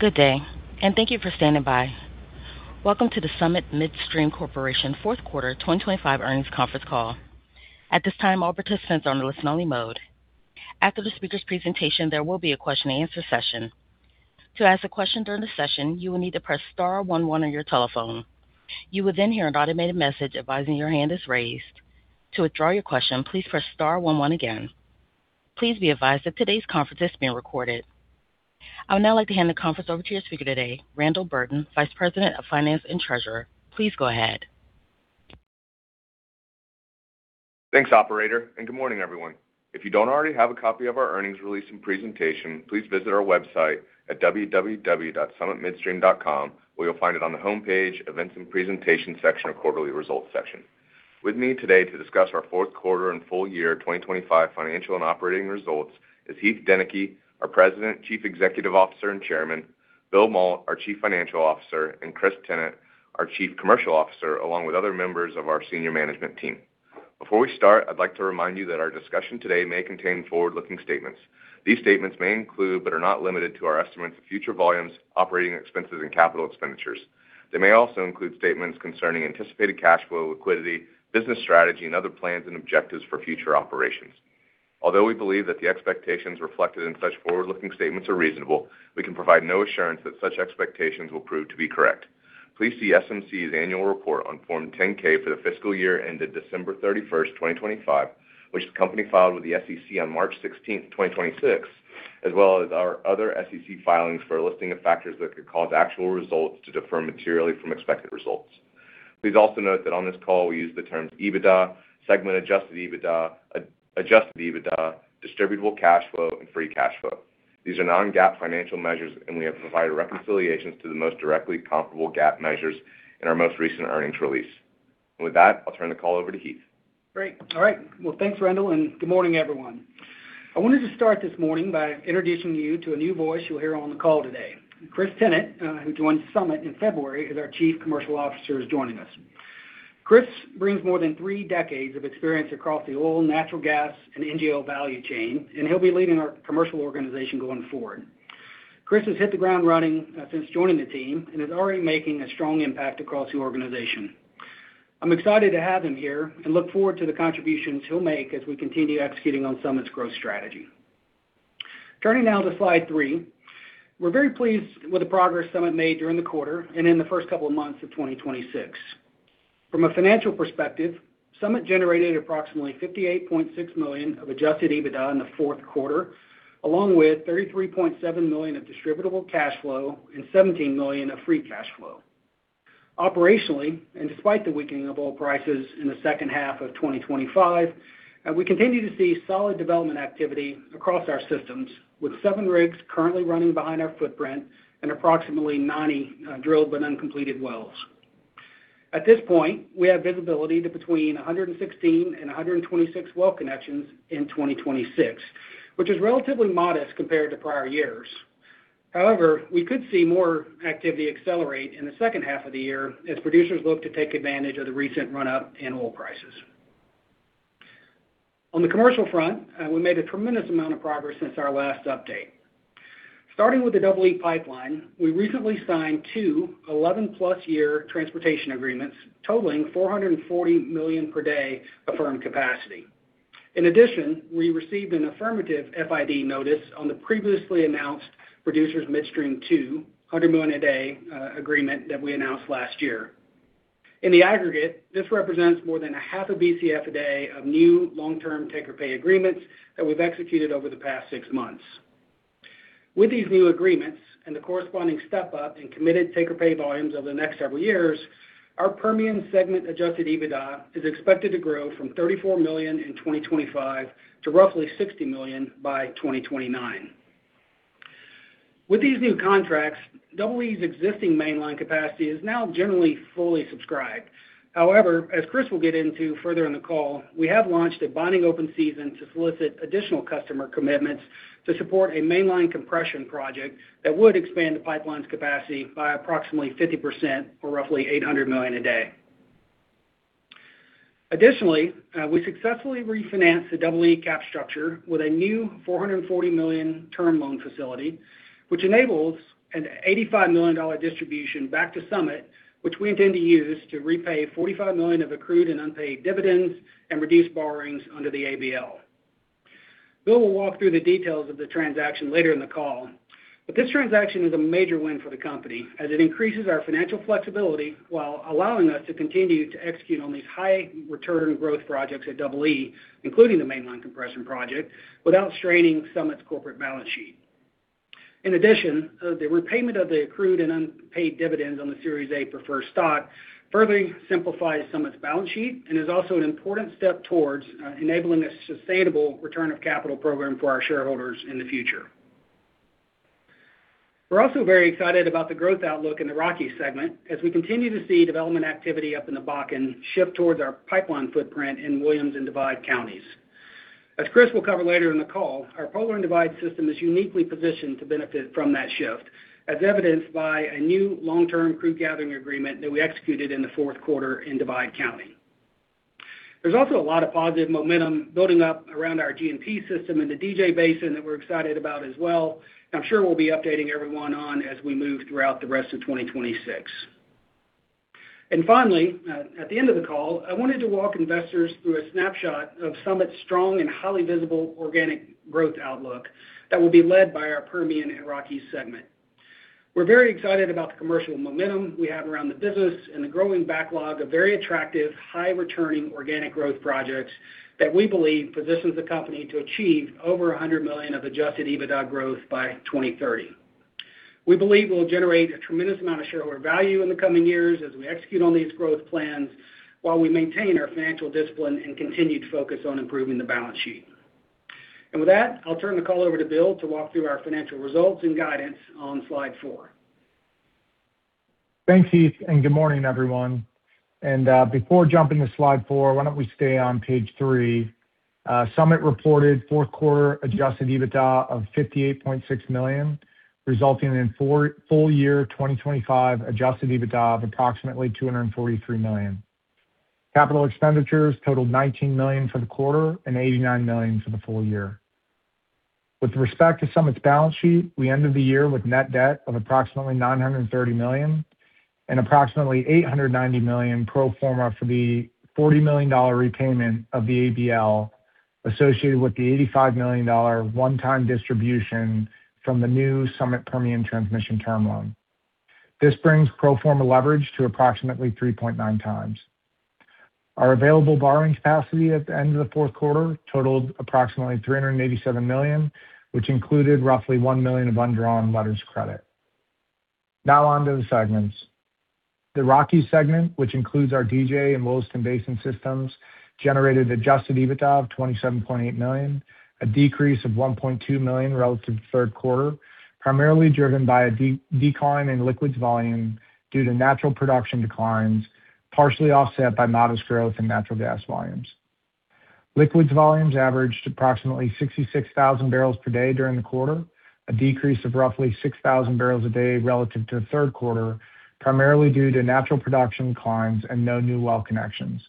Good day, and thank you for standing by. Welcome to the Summit Midstream Corporation fourth quarter 2025 earnings conference call. At this time, all participants are on listen-only mode. After the speaker's presentation, there will be a question-and-answer session. To ask a question during the session, you will need to press star one one on your telephone. You will then hear an automated message advising your hand is raised. To withdraw your question, please press star one one again. Please be advised that today's conference is being recorded. I would now like to hand the conference over to your speaker today, Randall Burton, Vice President of Finance and Treasurer. Please go ahead. Thanks, operator, and good morning, everyone. If you don't already have a copy of our earnings release and presentation, please visit our website at www.summitmidstream.com, where you'll find it on the homepage, Events and Presentation section, or Quarterly Results section. With me today to discuss our fourth quarter and full year 2025 financial and operating results is Heath Deneke, our President, Chief Executive Officer, and Chairman, William Mault, our Chief Financial Officer, and Chris Tennant, our Chief Commercial Officer, along with other members of our senior management team. Before we start, I'd like to remind you that our discussion today may contain forward-looking statements. These statements may include, but are not limited to, our estimates of future volumes, operating expenses, and capital expenditures. They may also include statements concerning anticipated cash flow, liquidity, business strategy, and other plans and objectives for future operations. Although we believe that the expectations reflected in such forward-looking statements are reasonable, we can provide no assurance that such expectations will prove to be correct. Please see SMC's annual report on Form 10-K for the fiscal year ended December 31st, 2025, which the company filed with the SEC on March 16th, 2026, as well as our other SEC filings for a listing of factors that could cause actual results to differ materially from expected results. Please also note that on this call, we use the terms EBITDA, segment adjusted EBITDA, adjusted EBITDA, distributable cash flow, and free cash flow. These are non-GAAP financial measures, and we have provided reconciliations to the most directly comparable GAAP measures in our most recent earnings release. With that, I'll turn the call over to Heath. Great. All right. Well, thanks, Randall, and good morning, everyone. I wanted to start this morning by introducing you to a new voice you'll hear on the call today. Chris Tennant, who joined Summit in February, is our Chief Commercial Officer, is joining us. Chris brings more than three decades of experience across the oil, natural gas, and NGL value chain, and he'll be leading our commercial organization going forward. Chris has hit the ground running, since joining the team and is already making a strong impact across the organization. I'm excited to have him here and look forward to the contributions he'll make as we continue executing on Summit's growth strategy. Turning now to slide three. We're very pleased with the progress Summit made during the quarter and in the first couple of months of 2026. From a financial perspective, Summit generated approximately $58.6 million of Adjusted EBITDA in the fourth quarter, along with $33.7 million of Distributable Cash Flow and $17 million of Free Cash Flow. Operationally, despite the weakening of oil prices in the second half of 2025, we continue to see solid development activity across our systems, with seven rigs currently running behind our footprint and approximately 90 drilled but uncompleted wells. At this point, we have visibility to between 116 and 126 well connections in 2026, which is relatively modest compared to prior years. However, we could see more activity accelerate in the second half of the year as producers look to take advantage of the recent run up in oil prices On the commercial front, we made a tremendous amount of progress since our last update. Starting with the Double E Pipeline, we recently signed two 11+ year transportation agreements totaling 440 MMcf/d firm capacity. In addition, we received an affirmative FID notice on the previously announced Producers Midstream [200 MMcf/d] agreement that we announced last year. In the aggregate, this represents more than a 0.5 Bcf/d of new long-term take-or-pay agreements that we've executed over the past six months. With these new agreements and the corresponding step up in committed take-or-pay volumes over the next several years, our Permian Segment Adjusted EBITDA is expected to grow from $34 million in 2025 to roughly $60 million by 2029. With these new contracts, Double E's existing mainline capacity is now generally fully subscribed. However, as Chris will get into further in the call, we have launched a binding open season to solicit additional customer commitments to support a mainline compression project that would expand the pipeline's capacity by approximately 50% or roughly 800 MMcf/d. Additionally, we successfully refinanced the Double E capital structure with a new $440 million term loan facility, which enables an $85 million distribution back to Summit, which we intend to use to repay $45 million of accrued and unpaid dividends and reduce borrowings under the ABL. Bill will walk through the details of the transaction later in the call. This transaction is a major win for the company as it increases our financial flexibility while allowing us to continue to execute on these high return growth projects at Double E, including the mainline compression project, without straining Summit's corporate balance sheet. In addition, the repayment of the accrued and unpaid dividends on the Series A preferred stock further simplifies Summit's balance sheet and is also an important step towards enabling a sustainable return of capital program for our shareholders in the future. We're also very excited about the growth outlook in the Rockies segment as we continue to see development activity up in the Bakken shift towards our pipeline footprint in Williams and Divide counties. As Chris will cover later in the call, our Polar and Divide system is uniquely positioned to benefit from that shift, as evidenced by a new long-term crude gathering agreement that we executed in the fourth quarter in Divide County. There's also a lot of positive momentum building up around our G&P system in the DJ Basin that we're excited about as well, and I'm sure we'll be updating everyone on as we move throughout the rest of 2026. Finally, at the end of the call, I wanted to walk investors through a snapshot of Summit's strong and highly visible organic growth outlook that will be led by our Permian and Rockies segment. We're very excited about the commercial momentum we have around the business and the growing backlog of very attractive, high-returning organic growth projects that we believe positions the company to achieve over $100 million of Adjusted EBITDA growth by 2030. We believe we'll generate a tremendous amount of shareholder value in the coming years as we execute on these growth plans while we maintain our financial discipline and continued focus on improving the balance sheet. With that, I'll turn the call over to Bill to walk through our financial results and guidance on slide four. Thanks, Heath, and good morning, everyone. Before jumping to slide four, why don't we stay on page three? Summit reported fourth quarter Adjusted EBITDA of $58.6 million, resulting in full-year 2025 Adjusted EBITDA of approximately $243 million. Capital expenditures totaled $19 million for the quarter and $89 million for the full year. With respect to Summit's balance sheet, we ended the year with net debt of approximately $930 million and approximately $890 million pro forma for the $40 million repayment of the ABL associated with the $85 million one-time distribution from the new Summit Permian Transmission term loan. This brings pro forma leverage to approximately 3.9 times. Our available borrowing capacity at the end of the fourth quarter totaled approximately $387 million, which included roughly $1 million of undrawn letters of credit. Now on to the segments. The Rockies segment, which includes our DJ and Williston Basin systems, generated Adjusted EBITDA of $27.8 million, a decrease of $1.2 million relative to third quarter, primarily driven by a decline in liquids volume due to natural production declines, partially offset by modest growth in natural gas volumes. Liquids volumes averaged approximately 66,000 barrels per day during the quarter, a decrease of roughly 6,000 barrels a day relative to the third quarter, primarily due to natural production declines and no new well connections.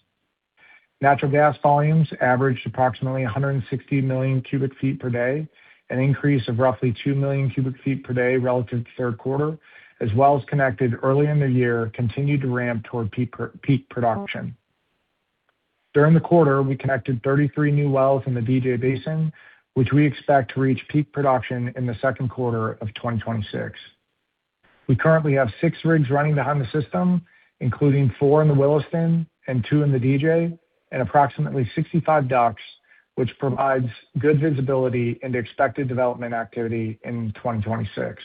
Natural gas volumes averaged approximately 160 million cubic feet per day, an increase of roughly 2 MMcf/d relative to third quarter, as wells connected early in the year continued to ramp toward peak production. During the quarter, we connected 33 new wells in the DJ Basin, which we expect to reach peak production in the second quarter of 2026. We currently have 6 rigs running behind the system, including four in the Williston and two in the DJ, and approximately 65 DUCs, which provides good visibility into expected development activity in 2026.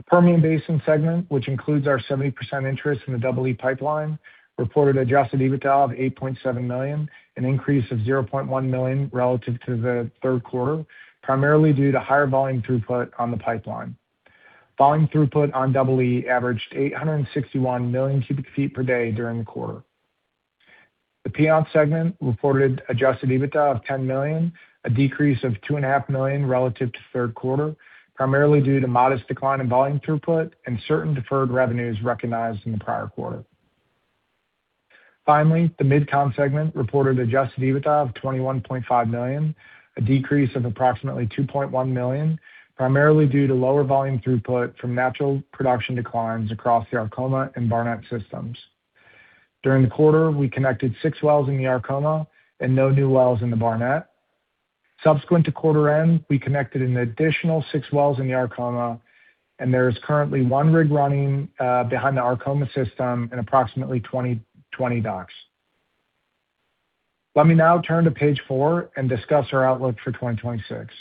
The Permian Basin segment, which includes our 70% interest in the Double E Pipeline, reported Adjusted EBITDA of $8.7 million, an increase of $0.1 million relative to the third quarter, primarily due to higher volume throughput on the pipeline. Volume throughput on Double E averaged 861 MMcf/d during the quarter. The Piceance segment reported Adjusted EBITDA of $10 million, a decrease of $2.5 million relative to third quarter, primarily due to modest decline in volume throughput and certain deferred revenues recognized in the prior quarter. The Mid-Con segment reported Adjusted EBITDA of $21.5 million, a decrease of approximately $2.1 million, primarily due to lower volume throughput from natural production declines across the Arkoma and Barnett systems. During the quarter, we connected six wells in the Arkoma and no new wells in the Barnett. Subsequent to quarter end, we connected an additional six wells in the Arkoma, and there is currently one rig running behind the Arkoma system and approximately 20 DUCs. Let me now turn to page four and discuss our outlook for 2026.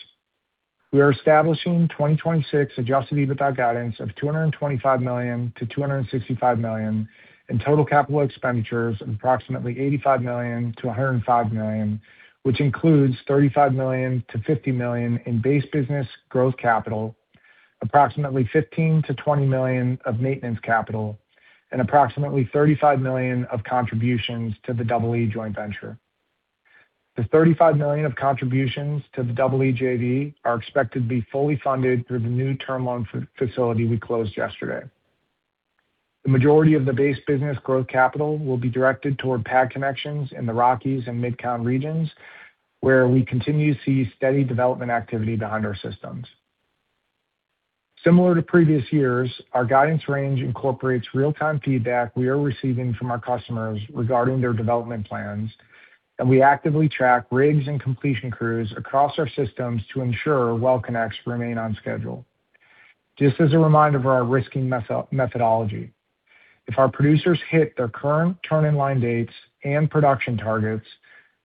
We are establishing 2026 adjusted EBITDA guidance of $225 million-$265 million and total capital expenditures of approximately $85 million-$105 million, which includes $35 million-$50 million in base business growth capital, approximately $15 million-$20 million of maintenance capital, and approximately $35 million of contributions to the Double E joint venture. The $35 million of contributions to the Double E JV are expected to be fully funded through the new term loan facility we closed yesterday. The majority of the base business growth capital will be directed toward pad connections in the Rockies and Mid-Con regions, where we continue to see steady development activity behind our systems. Similar to previous years, our guidance range incorporates real-time feedback we are receiving from our customers regarding their development plans, and we actively track rigs and completion crews across our systems to ensure well connects remain on schedule. Just as a reminder of our risking methodology, if our producers hit their current turn-in-line dates and production targets,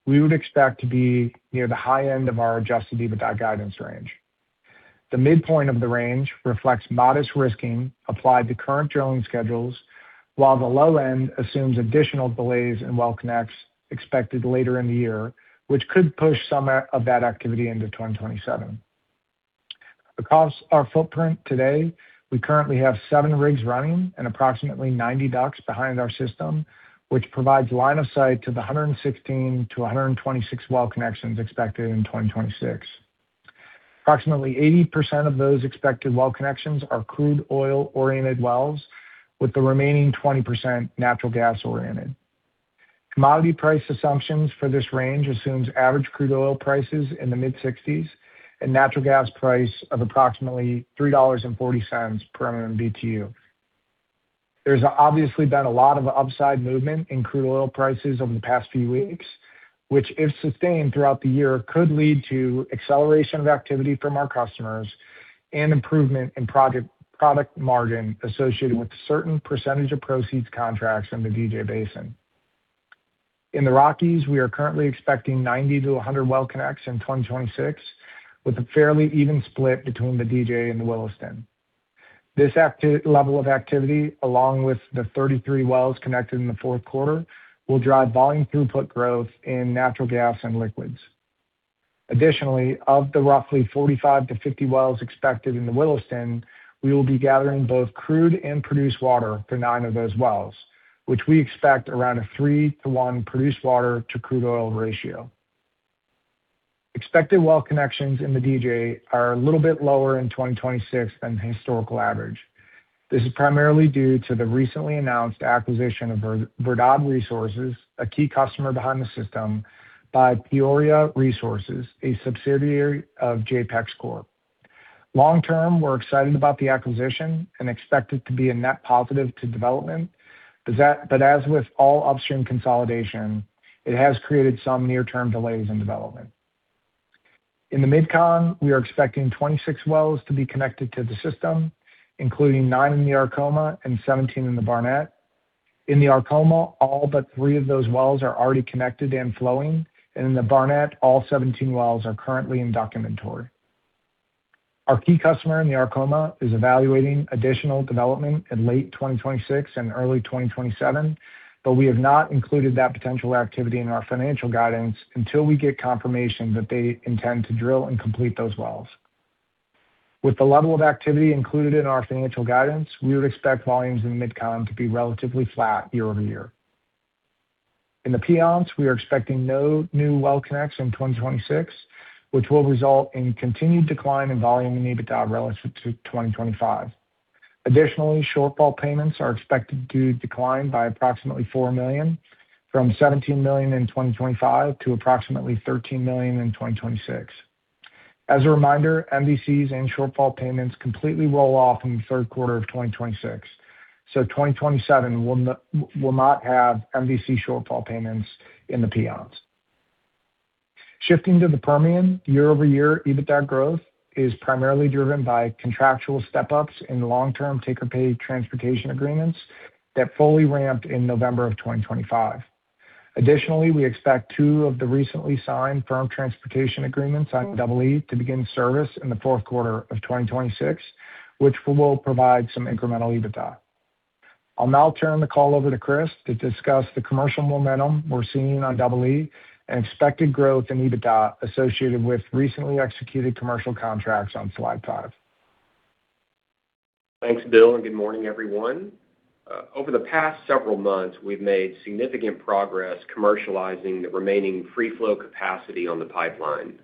we would expect to be near the high end of our Adjusted EBITDA guidance range. The midpoint of the range reflects modest risking applied to current drilling schedules, while the low end assumes additional delays in well connects expected later in the year, which could push some of that activity into 2027. Across our footprint today, we currently have 7 rigs running and approximately 90 DUCs behind our system, which provides line of sight to the 116-126 well connections expected in 2026. Approximately 80% of those expected well connections are crude oil-oriented wells, with the remaining 20% natural gas-oriented. Commodity price assumptions for this range assumes average crude oil prices in the mid-$60s and natural gas price of approximately $3.40 per MMBtu. There's obviously been a lot of upside movement in crude oil prices over the past few weeks, which, if sustained throughout the year, could lead to acceleration of activity from our customers and improvement in product margin associated with certain percentage of proceeds contracts in the DJ Basin. In the Rockies, we are currently expecting 90-100 well connects in 2026, with a fairly even split between the DJ and the Williston. This level of activity, along with the 33 wells connected in the fourth quarter, will drive volume throughput growth in natural gas and liquids. Additionally, of the roughly 45-50 wells expected in the Williston, we will be gathering both crude and produced water for 9 of those wells, which we expect around a 3:1 produced water to crude oil ratio. Expected well connections in the DJ are a little bit lower in 2026 than the historical average. This is primarily due to the recently announced acquisition of Verdad Resources, a key customer behind the system, by Peoria Resources, a subsidiary of JAPEX Corp. Long term, we're excited about the acquisition and expect it to be a net positive to development. As with all upstream consolidation, it has created some near-term delays in development. In the Mid-Con, we are expecting 26 wells to be connected to the system, including nine in the Arkoma and 17 in the Barnett. In the Arkoma, all but three of those wells are already connected and flowing, and in the Barnett, all 17 wells are currently in DUC inventory. Our key customer in the Arkoma is evaluating additional development in late 2026 and early 2027, but we have not included that potential activity in our financial guidance until we get confirmation that they intend to drill and complete those wells. With the level of activity included in our financial guidance, we would expect volumes in Mid-Con to be relatively flat year-over-year. In the Piceance, we are expecting no new well connects in 2026, which will result in continued decline in volume in EBITDA relative to 2025. Additionally, shortfall payments are expected to decline by approximately $4 million, from $17 million in 2025 to approximately $13 million in 2026. As a reminder, MVCs and shortfall payments completely roll off in the third quarter of 2026, so 2027 will not have MVC shortfall payments in the Piceance. Shifting to the Permian, year-over-year EBITDA growth is primarily driven by contractual step-ups in long-term take-or-pay transportation agreements that fully ramped in November of 2025. Additionally, we expect two of the recently signed firm transportation agreements on Double E to begin service in the fourth quarter of 2026, which will provide some incremental EBITDA. I'll now turn the call over to Chris to discuss the commercial momentum we're seeing on Double E and expected growth in EBITDA associated with recently executed commercial contracts on slide five. Thanks, Bill, and good morning, everyone. Over the past several months, we've made significant progress commercializing the remaining free flow capacity on the pipeline.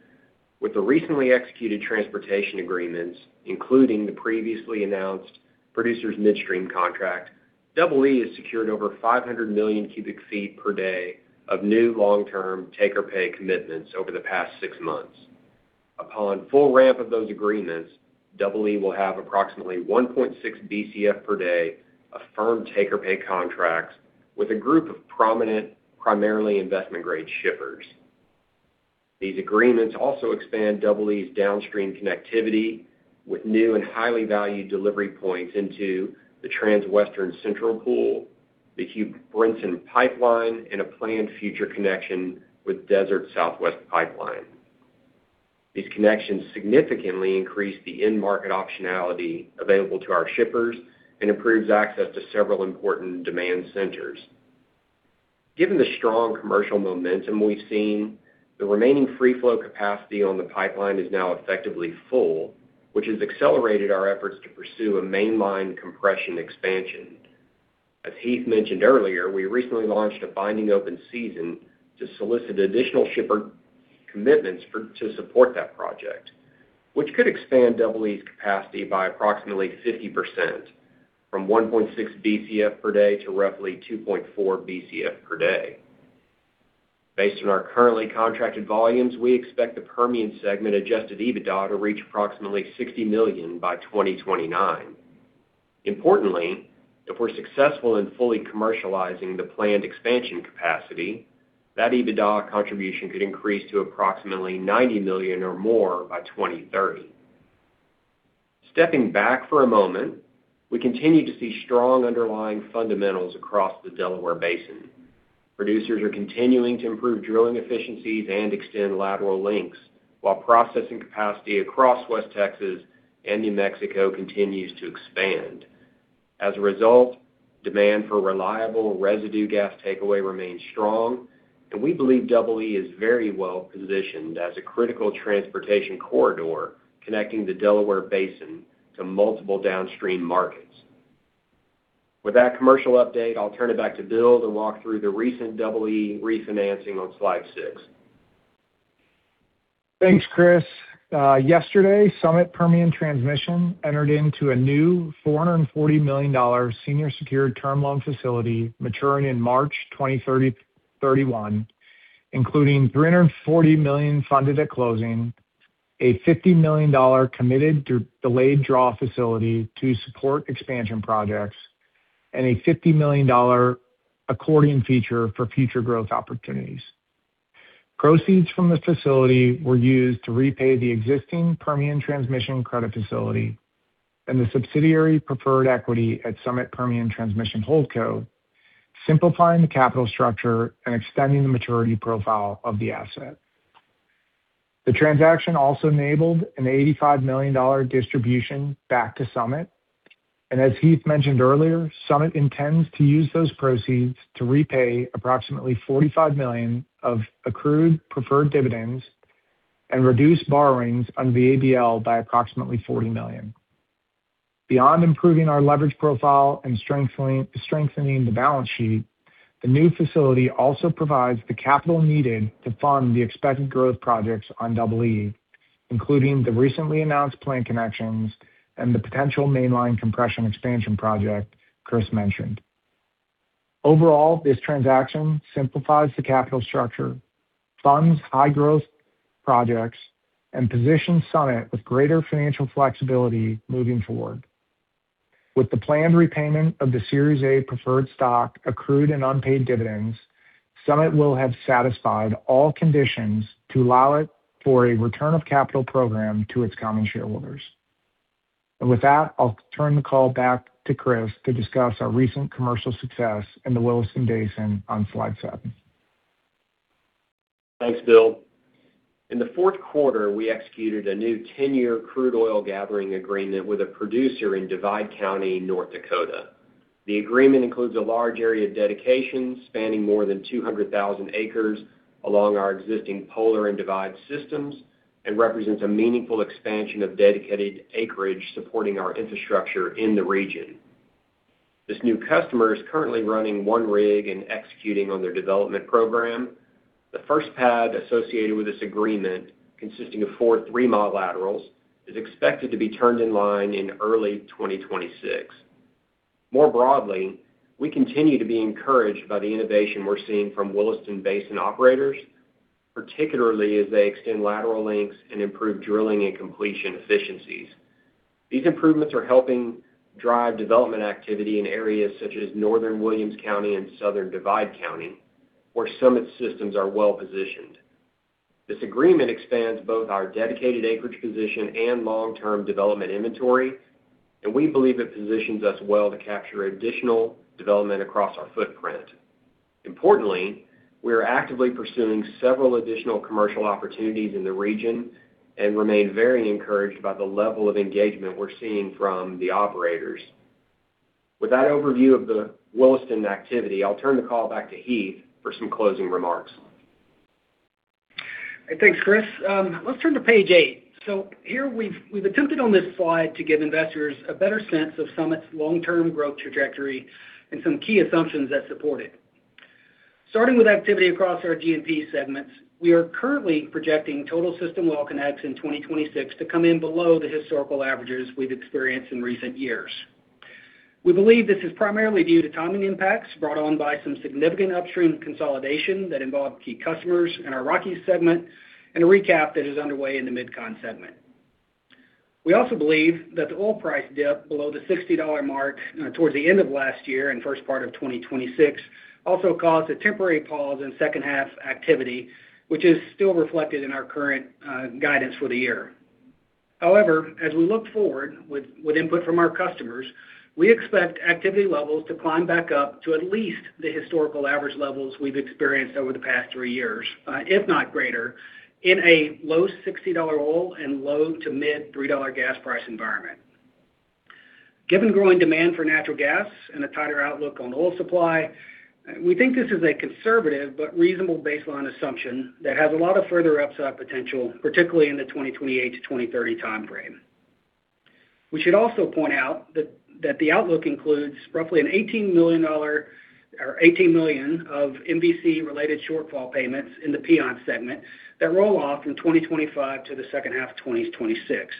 With the recently executed transportation agreements, including the previously announced Producers Midstream contract, Double E has secured over 500 MMcf/d of new long-term take-or-pay commitments over the past six months. Upon full ramp of those agreements, Double E will have approximately 1.6 BCF per day of firm take-or-pay contracts with a group of prominent, primarily investment-grade shippers. These agreements also expand Double E's downstream connectivity with new and highly valued delivery points into the Transwestern Central Pool, the Hugh Brinson Pipeline, and a planned future connection with Desert Southwest Pipeline. These connections significantly increase the end market optionality available to our shippers and improves access to several important demand centers. Given the strong commercial momentum we've seen, the remaining free flow capacity on the pipeline is now effectively full, which has accelerated our efforts to pursue a mainline compression expansion. As Heath mentioned earlier, we recently launched a binding open season to solicit additional shipper commitments to support that project, which could expand Double E's capacity by approximately 50% from 1.6 BCF per day to roughly 2.4 BCF per day. Based on our currently contracted volumes, we expect the Permian Segment Adjusted EBITDA to reach approximately $60 million by 2029. Importantly, if we're successful in fully commercializing the planned expansion capacity, that EBITDA contribution could increase to approximately $90 million or more by 2030. Stepping back for a moment, we continue to see strong underlying fundamentals across the Delaware Basin. Producers are continuing to improve drilling efficiencies and extend lateral links while processing capacity across West Texas and New Mexico continues to expand. As a result, demand for reliable residue gas takeaway remains strong, and we believe Double E is very well positioned as a critical transportation corridor connecting the Delaware Basin to multiple downstream markets. With that commercial update, I'll turn it back to Bill to walk through the recent Double E refinancing on slide six. Thanks, Chris. Yesterday, Summit Permian Transmission entered into a new $440 million senior secured term loan facility maturing in March 2031, including $340 million funded at closing, a $50 million committed delayed draw facility to support expansion projects, and a $50 million accordion feature for future growth opportunities. Proceeds from this facility were used to repay the existing Permian Transmission credit facility and the subsidiary preferred equity at Summit Permian Transmission HoldCo, simplifying the capital structure and extending the maturity profile of the asset. The transaction also enabled an $85 million distribution back to Summit. As Heath mentioned earlier, Summit intends to use those proceeds to repay approximately $45 million of accrued preferred dividends and reduce borrowings on the ABL by approximately $40 million. Beyond improving our leverage profile and strengthening the balance sheet, the new facility also provides the capital needed to fund the expected growth projects on Double E, including the recently announced planned connections and the potential mainline compression expansion project Chris mentioned. Overall, this transaction simplifies the capital structure, funds high-growth projects, and positions Summit with greater financial flexibility moving forward. With the planned repayment of the Series A preferred stock accrued and unpaid dividends, Summit will have satisfied all conditions to allow it for a return of capital program to its common shareholders. With that, I'll turn the call back to Chris to discuss our recent commercial success in the Williston Basin on slide seven. Thanks, Bill. In the fourth quarter, we executed a new 10-year crude oil gathering agreement with a producer in Divide County, North Dakota. The agreement includes a large area of dedication spanning more than 200,000 acres along our existing Polar and Divide systems and represents a meaningful expansion of dedicated acreage supporting our infrastructure in the region. This new customer is currently running one rig and executing on their development program. The first pad associated with this agreement, consisting of four three-mile laterals, is expected to be turned in line in early 2026. More broadly, we continue to be encouraged by the innovation we're seeing from Williston Basin operators, particularly as they extend lateral lengths and improve drilling and completion efficiencies. These improvements are helping drive development activity in areas such as northern Williams County and southern Divide County, where Summit systems are well positioned. This agreement expands both our dedicated acreage position and long-term development inventory, and we believe it positions us well to capture additional development across our footprint. Importantly, we are actively pursuing several additional commercial opportunities in the region and remain very encouraged by the level of engagement we're seeing from the operators. With that overview of the Williston activity, I'll turn the call back to Heath for some closing remarks. Thanks, Chris. Let's turn to page eight. Here we've attempted on this slide to give investors a better sense of Summit's long-term growth trajectory and some key assumptions that support it. Starting with activity across our G&P segments, we are currently projecting total system well connects in 2026 to come in below the historical averages we've experienced in recent years. We believe this is primarily due to timing impacts brought on by some significant upstream consolidation that involved key customers in our Rockies segment and a recap that is underway in the Mid-Con segment. We also believe that the oil price dip below the $60 mark towards the end of last year and first part of 2026 also caused a temporary pause in second half activity, which is still reflected in our current guidance for the year. However, as we look forward with input from our customers, we expect activity levels to climb back up to at least the historical average levels we've experienced over the past three years, if not greater, in a low $60 oil and low-to mid-$3 gas price environment. Given growing demand for natural gas and a tighter outlook on oil supply, we think this is a conservative but reasonable baseline assumption that has a lot of further upside potential, particularly in the 2028-2030 time frame. We should also point out that the outlook includes roughly $18 million or $18 million of MVC-related shortfall payments in the Piceance segment that roll off in 2025 to the second half of 2026,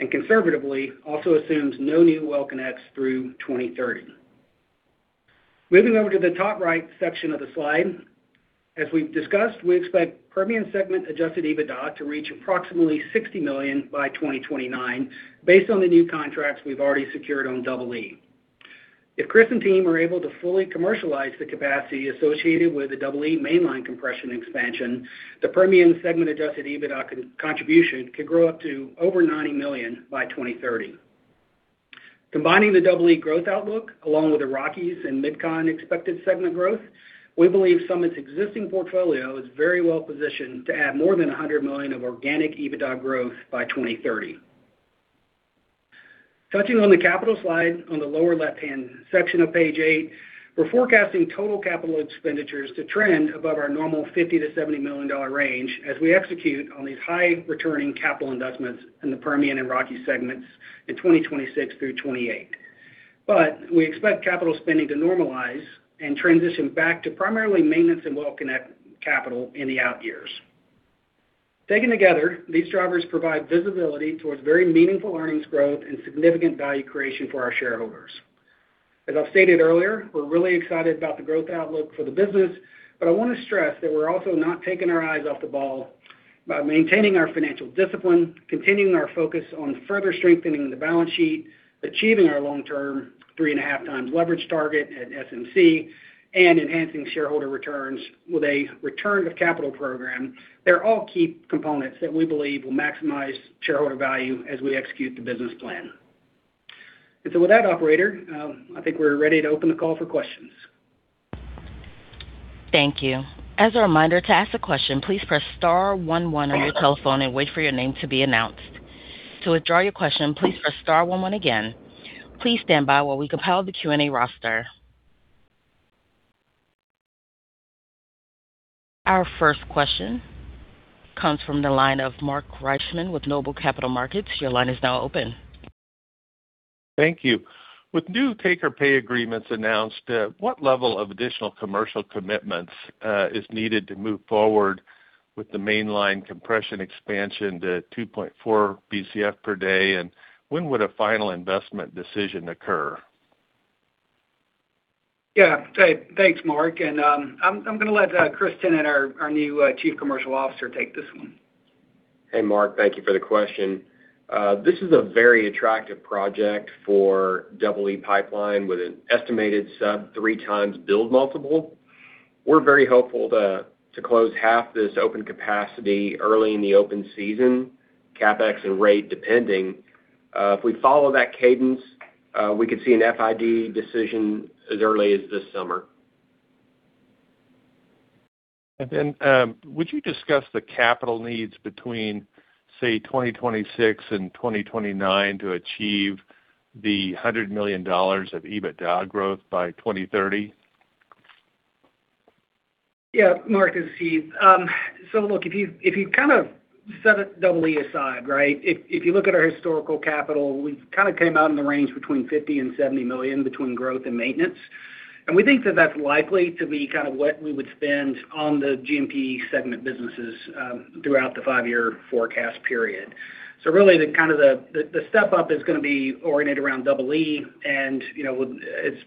and conservatively also assumes no new well connects through 2030. Moving over to the top right section of the slide. As we've discussed, we expect Permian segment Adjusted EBITDA to reach approximately $60 million by 2029 based on the new contracts we've already secured on Double E. If Chris and team are able to fully commercialize the capacity associated with the Double E mainline compression expansion, the Permian segment Adjusted EBITDA contribution could grow up to over $90 million by 2030. Combining the Double E growth outlook along with the Rockies and Mid-Con expected segment growth, we believe Summit's existing portfolio is very well positioned to add more than $100 million of organic EBITDA growth by 2030. Touching on the capital slide on the lower left-hand section of page eight, we're forecasting total capital expenditures to trend above our normal $50-$70 million range as we execute on these high returning capital investments in the Permian and Rockies segments in 2026 through 2028. We expect capital spending to normalize and transition back to primarily maintenance and well connect capital in the out years. Taken together, these drivers provide visibility towards very meaningful earnings growth and significant value creation for our shareholders. As I've stated earlier, we're really excited about the growth outlook for the business, but I want to stress that we're also not taking our eyes off the ball by maintaining our financial discipline, continuing our focus on further strengthening the balance sheet, achieving our long-term 3.5x leverage target at SMC, and enhancing shareholder returns with a return of capital program. They're all key components that we believe will maximize shareholder value as we execute the business plan. With that, operator, I think we're ready to open the call for questions. Thank you. As a reminder, to ask a question, please press star one one on your telephone and wait for your name to be announced. To withdraw your question, please press star one one again. Please stand by while we compile the Q&A roster. Our first question comes from the line of Mark Reichman with Noble Capital Markets. Your line is now open. Thank you. With new take-or-pay agreements announced, what level of additional commercial commitments is needed to move forward with the mainline compression expansion to 2.4 BCF per day? And when would a final investment decision occur? Yeah, thanks, Mark. I'm gonna let Chris and our new Chief Commercial Officer take this one. Hey, Mark, thank you for the question. This is a very attractive project for Double E Pipeline with an estimated sub-3x build multiple. We're very hopeful to close half this open capacity early in the open season, CapEx and rate depending. If we follow that cadence, we could see an FID decision as early as this summer. Would you discuss the capital needs between, say, 2026 and 2029 to achieve the $100 million of EBITDA growth by 2030? Yeah, Mark, this is Heath. Look, if you kind of set Double E aside, right? If you look at our historical capital, we kind of came out in the range between $50-$70 million between growth and maintenance. We think that that's likely to be kind of what we would spend on the G&P segment businesses throughout the five-year forecast period. Really, the step-up is gonna be oriented around Double E. You know,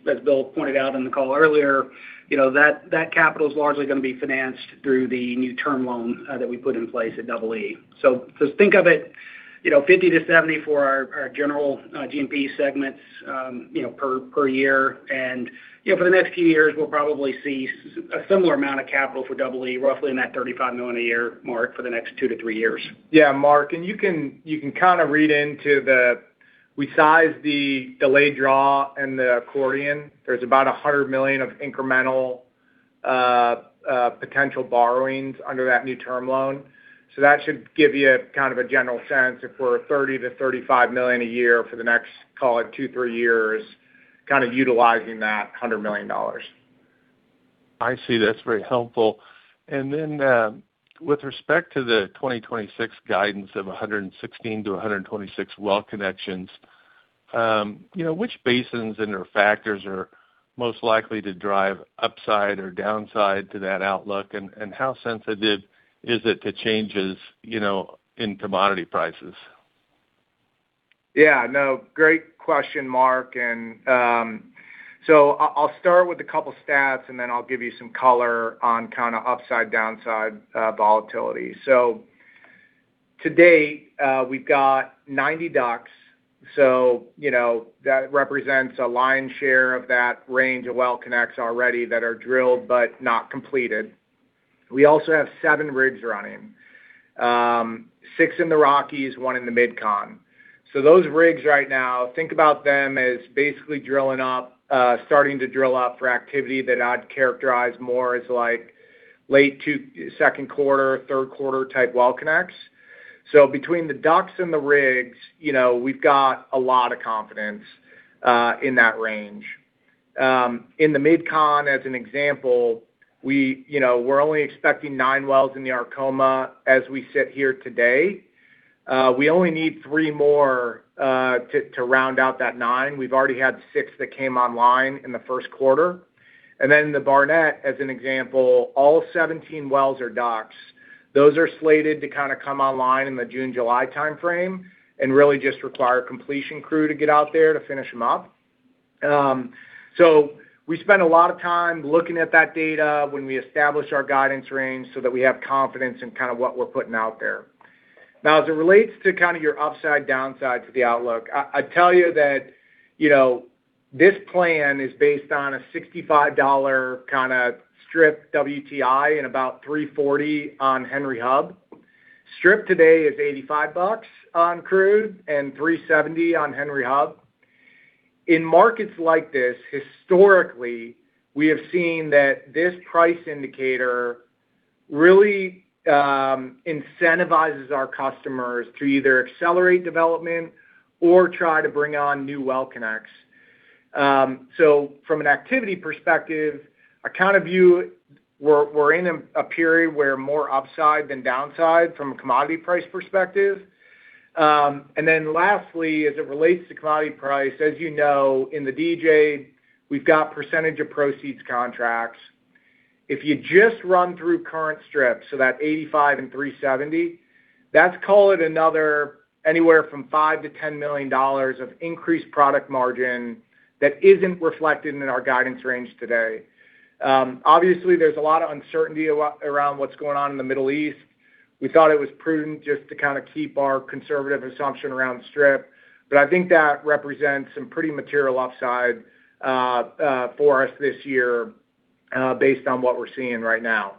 as Bill pointed out on the call earlier, you know, that capital is largely gonna be financed through the new term loan that we put in place at Double E. Just think of it, you know, $50-$70 for our general G&P segments, you know, per year. You know, for the next few years, we'll probably see a similar amount of capital for Double E, roughly in that $35 million a year mark for the next two-three years. Yeah, Mark, you can kind of read into the we sized the delayed draw and the accordion. There's about $100 million of incremental potential borrowings under that new term loan. That should give you kind of a general sense if we're $30-$35 million a year for the next, call it two, three years, kind of utilizing that $100 million. I see. That's very helpful. Then, with respect to the 2026 guidance of 116 to 126 well connections, you know, which basins and/or factors are most likely to drive upside or downside to that outlook? How sensitive is it to changes, you know, in commodity prices? Yeah, no, great question, Mark. I'll start with a couple stats, and then I'll give you some color on kind of upside, downside, volatility. To date, we've got 90 DUCs. You know, that represents a lion's share of that range of well connects already that are drilled but not completed. We also have seven rigs running, six in the Rockies, one in the Mid-Con. Those rigs right now, think about them as basically starting to drill up for activity that I'd characterize more as like second quarter, third quarter type well connects. Between the DUCs and the rigs, you know, we've got a lot of confidence in that range. In the Mid-Con, as an example, we, you know, we're only expecting nine wells in the Arkoma as we sit here today. We only need three more to round out that nine. We've already had six that came online in the first quarter. The Barnett, as an example, all 17 wells are DUCs. Those are slated to kind of come online in the June-July timeframe and really just require completion crew to get out there to finish them up. We spend a lot of time looking at that data when we establish our guidance range so that we have confidence in kind of what we're putting out there. Now, as it relates to kind of your upside, downside to the outlook, I'd tell you that, you know, this plan is based on a $65 kind of strip WTI and about $3.40 on Henry Hub. Strip today is $85 bucks on crude and $3.70 on Henry Hub. In markets like this, historically, we have seen that this price indicator really incentivizes our customers to either accelerate development or try to bring on new well connects. From an activity perspective, We're in a period where more upside than downside from a commodity price perspective. Lastly, as it relates to commodity price, as you know, in the DJ, we've got percentage of proceeds contracts. If you just run through current strips, so that $85 and $3.70, that's call it another anywhere from $5 million-$10 million of increased product margin that isn't reflected in our guidance range today. Obviously, there's a lot of uncertainty around what's going on in the Middle East. We thought it was prudent just to kind of keep our conservative assumption around strip. I think that represents some pretty material upside for us this year based on what we're seeing right now.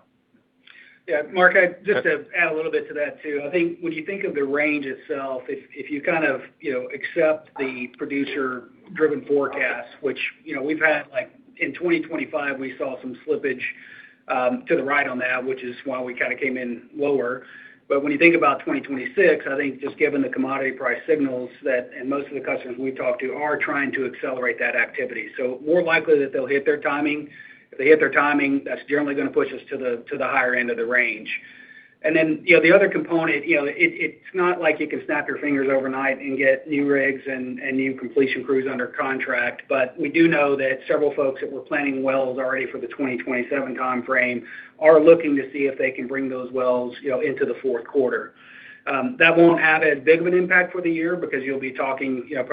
Yeah. Mark, I just to add a little bit to that, too. I think when you think of the range itself, if you kind of, you know, accept the producer driven forecast, which, you know, we've had, like in 2025, we saw some slippage to the right on that, which is why we kinda came in lower. When you think about 2026, I think just given the commodity price signals that, and most of the customers we've talked to are trying to accelerate that activity. More likely that they'll hit their timing. If they hit their timing, that's generally gonna push us to the higher end of the range. Then, you know, the other component, you know, it's not like you can snap your fingers overnight and get new rigs and new completion crews under contract. We do know that several folks that were planning wells already for the 2027 time frame are looking to see if they can bring those wells, you know, into the fourth quarter. That won't have as big of an impact for the year because you'll be talking, you know,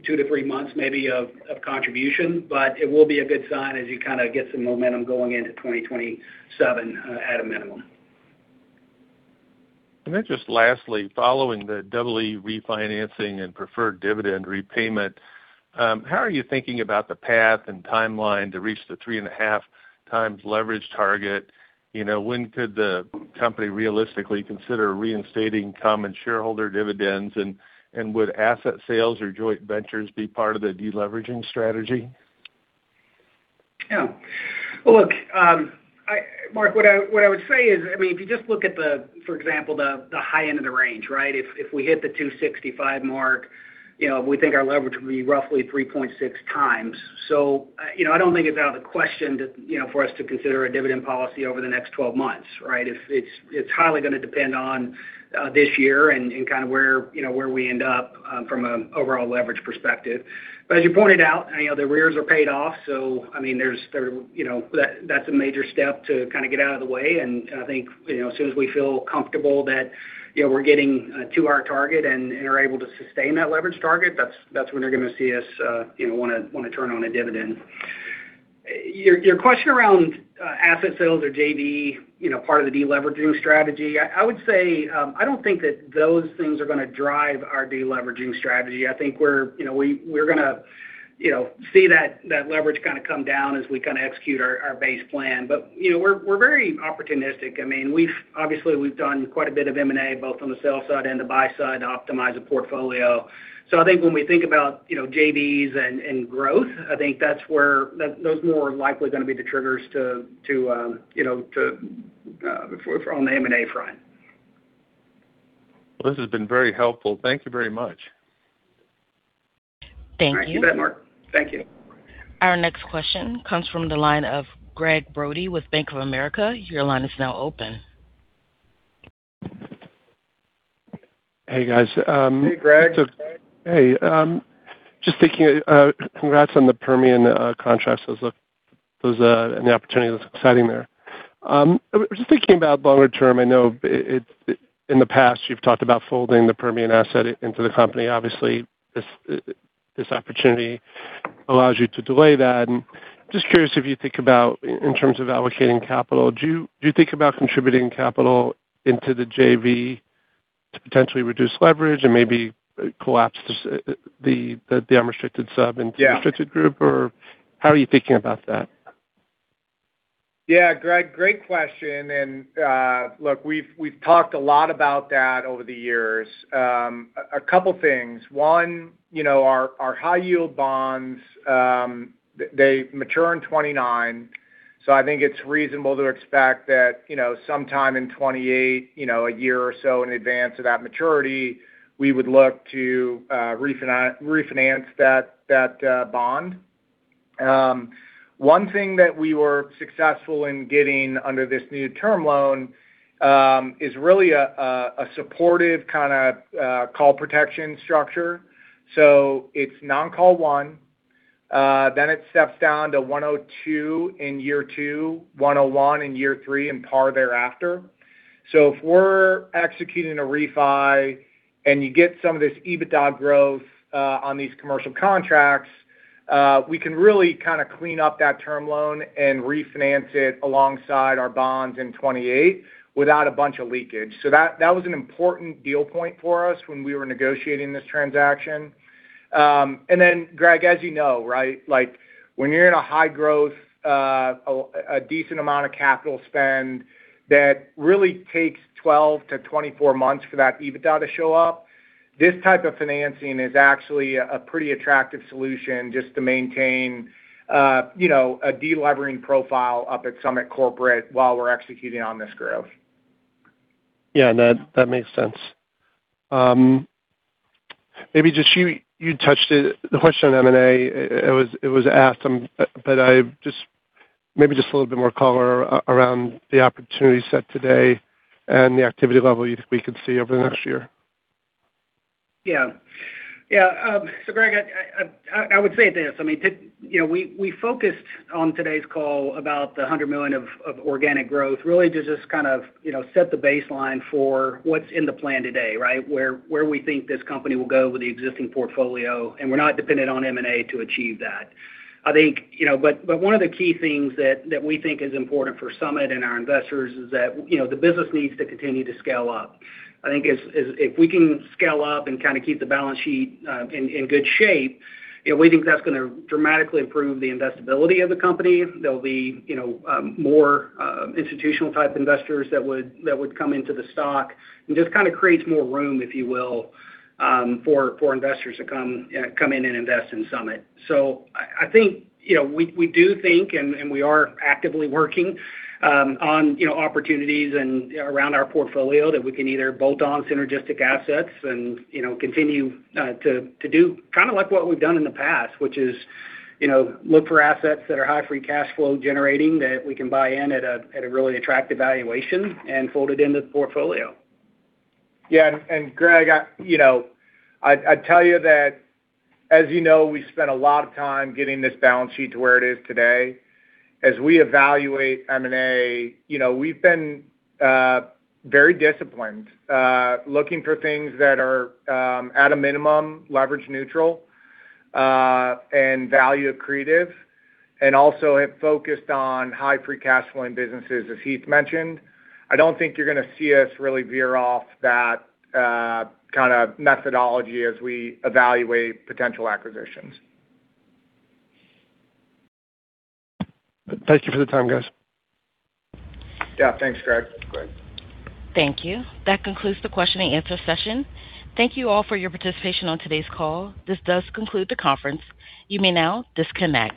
probably just a few two-three months maybe of contribution. It will be a good sign as you kinda get some momentum going into 2027, at a minimum. Then just lastly, following the Double E refinancing and preferred dividend repayment, how are you thinking about the path and timeline to reach the 3.5x leverage target? You know, when could the company realistically consider reinstating common shareholder dividends? Would asset sales or joint ventures be part of the deleveraging strategy? Yeah. Well, look, Mark, what I would say is, I mean, if you just look at, for example, the high end of the range, right? If we hit the $265 million mark, you know, we think our leverage would be roughly 3.6x. You know, I don't think it's out of the question to, you know, for us to consider a dividend policy over the next 12 months, right? It's highly gonna depend on this year and kind of where, you know, where we end up from an overall leverage perspective. As you pointed out, you know, the revolvers are paid off. I mean, there's, you know, that's a major step to kind of get out of the way. I think, you know, as soon as we feel comfortable that, you know, we're getting to our target and are able to sustain that leverage target, that's when you're gonna see us, you know, wanna turn on a dividend. Your question around asset sales or JV, you know, part of the deleveraging strategy. I would say, I don't think that those things are gonna drive our deleveraging strategy. I think we're, you know, gonna, you know, see that leverage kinda come down as we kinda execute our base plan. You know, we're very opportunistic. I mean, we've obviously done quite a bit of M&A, both on the sell side and the buy side to optimize the portfolio. I think when we think about, you know, JVs and growth, I think that's where those more are likely gonna be the triggers to, you know, to for on the M&A front. Well, this has been very helpful. Thank you very much. Thank you. You bet, Mark. Thank you. Our next question comes from the line of Gregg Brody with Bank of America. Your line is now open. Hey, guys. Hey, Greg. Hey. Just thinking, congrats on the Permian contracts. That's an opportunity that's exciting there. Just thinking about longer term, I know in the past you've talked about folding the Permian asset into the company. Obviously, this opportunity allows you to delay that. Just curious if you think about in terms of allocating capital, do you think about contributing capital into the JV to potentially reduce leverage and maybe collapse the unrestricted sub into restricted group? Or how are you thinking about that? Yeah, Greg, great question. Look, we've talked a lot about that over the years. A couple things. One, you know, our high yield bonds, they mature in 2029, so I think it's reasonable to expect that, you know, sometime in 2028, you know, a year or so in advance of that maturity, we would look to refinance that bond. One thing that we were successful in getting under this new term loan is really a supportive kind of call protection structure. It's non-call one, then it steps down to 102 in year two, 101 in year three, and par thereafter. If we're executing a refi and you get some of this EBITDA growth on these commercial contracts, we can really kinda clean up that term loan and refinance it alongside our bonds in 2028 without a bunch of leakage. That was an important deal point for us when we were negotiating this transaction. Greg, as you know, right, like when you're in a high growth, a decent amount of capital spend that really takes 12-24 months for that EBITDA to show up, this type of financing is actually a pretty attractive solution just to maintain, you know, a delevering profile up at Summit Corporation while we're executing on this growth. Yeah, that makes sense. Maybe just you touched on it, the question on M&A. It was asked, but I just maybe just a little bit more color around the opportunity set today and the activity level you think we could see over the next year. Yeah. Yeah. Gregg, I would say this, I mean, you know, we focused on today's call about the $100 million of organic growth really to just kind of, you know, set the baseline for what's in the plan today, right? Where we think this company will go with the existing portfolio, and we're not dependent on M&A to achieve that. I think, you know, but one of the key things that we think is important for Summit and our investors is that, you know, the business needs to continue to scale up. I think if we can scale up and kinda keep the balance sheet in good shape, you know, we think that's gonna dramatically improve the investability of the company. There'll be, you know, more institutional type investors that would come into the stock. Just kinda creates more room, if you will, for investors to come in and invest in Summit. I think, you know, we do think and we are actively working on, you know, opportunities around our portfolio that we can either bolt on synergistic assets and, you know, continue to do kinda like what we've done in the past, which is, you know, look for assets that are high Free Cash Flow generating that we can buy in at a really attractive valuation and fold it into the portfolio. Yeah. Gregg, I, you know, I'd tell you that as you know, we spent a lot of time getting this balance sheet to where it is today. As we evaluate M&A, you know, we've been very disciplined looking for things that are at a minimum leverage neutral and value accretive, and also have focused on high free cash flowing businesses, as Heath mentioned. I don't think you're gonna see us really veer off that kinda methodology as we evaluate potential acquisitions. Thank you for the time, guys. Yeah, thanks, Greg. Thank you. That concludes the question and answer session. Thank you all for your participation on today's call. This does conclude the conference. You may now disconnect.